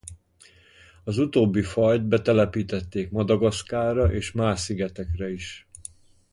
Az utóbbi fajt betelepítették Madagaszkárra és más szigetekre is.